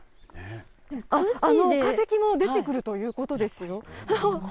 化石も出てくるということですよ。